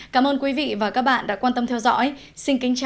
cảm ơn quý vị và các bạn đã quan tâm theo dõi